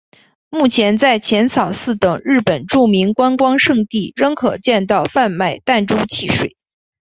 目前在浅草寺等日本著名观光胜地仍可见到贩卖弹珠汽水。